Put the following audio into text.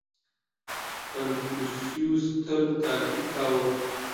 • کنفوسیوس تل تأکید کاوه.